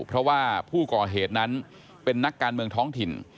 เพราะว่าผู้ก่อเหตุนั้นเป็นนักการเมืองท้องถิ่น